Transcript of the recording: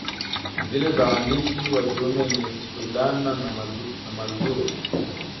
Zile za waandishi wa kiume ni Sudana ya Mazrui